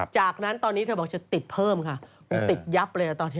จากนั้นตอนนี้เธอบอกจะติดเพิ่มค่ะติดยับเลยตอนนี้